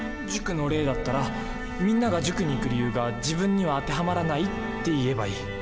塾の例だったらみんなが塾に行く理由が自分には当てはまらないって言えばいい。